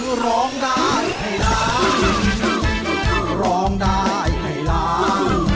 คือร้องได้ให้ร้าง